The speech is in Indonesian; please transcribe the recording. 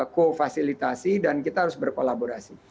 co fasilitasi dan kita harus berkolaborasi